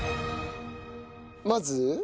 まず？